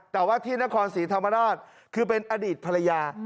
แต่ว่าที่นครศรีธรรมราชคือเป็นอดีตภรรยา